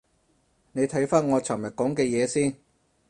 你睇返我尋日講嘅嘢先